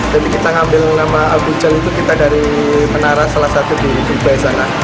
jadi kita ngambil nama al burjah itu kita dari menara salah satu di dubai sana